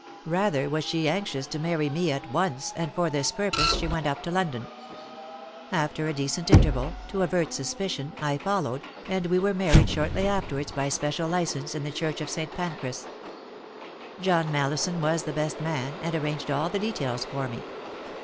Rather was she anxious to marry me at once, and for this purpose she went up to London. After a decent interval, to avert suspicion, I followed, and we were married shortly afterwards by special license in the church of St. Pancras. John Mallison was the best man, and arranged all the details for me.